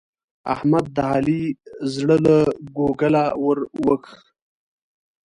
احمد د علي زړه له کوګله ور وکېښ.